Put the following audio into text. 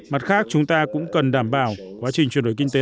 mặt khác chúng ta cũng cần đảm bảo quá trình chuyển đổi kinh tế